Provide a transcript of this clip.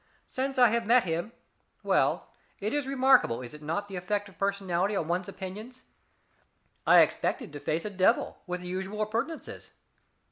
Since I have met him well, it is remarkable, is it not, the effect of personality on one's opinions? I expected to face a devil, with the usual appurtenances.